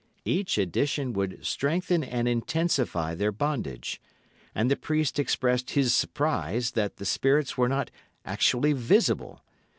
Each addition would strengthen and intensify their bondage, and the priest expressed his surprise that the spirits were not actually visible.